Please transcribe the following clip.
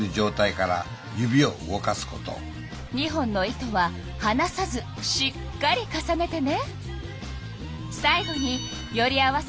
２本の糸ははなさずしっかり重ねてね。